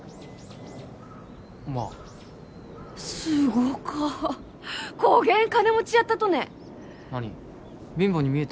まあすごかこげん金持ちやったとね何貧乏に見えた？